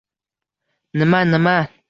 — Nima-nima?